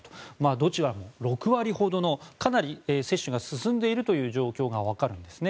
どちらも６割ほどのかなり接種が進んでいるという状況がわかるんですね。